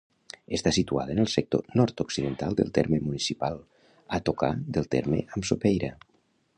Està situada en el sector nord-occidental del terme municipal, a tocar del terme amb Sopeira.